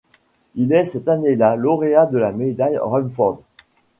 Il est cette année-là lauréat de la Médaille Rumford.